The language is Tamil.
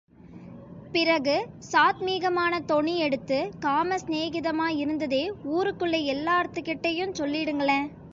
பிறகு, சாத்மீகமான தொனி எடுத்து, காம சிநேகிதமா இருந்ததே ஊருக்குள்ளே எல்லார்த்தெ கிட்டெயும் சொல்லிடுங்களே?